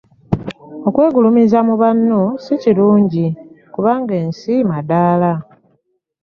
Okwegulumiza mu banno si kirungi kubanga ensi madaala.